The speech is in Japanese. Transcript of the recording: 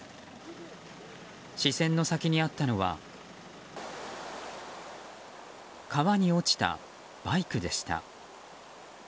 視線の先にあったのは川に落ちたバイクでした。